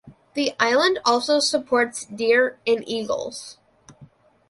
The island also supports deer and eagles.